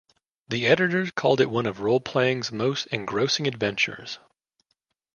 The editors called it one of role-playing's most engrossing adventures.